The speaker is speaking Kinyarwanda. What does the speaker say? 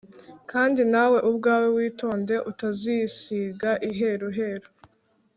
kandi nawe ubwawe witonde, utazisiga iheruheru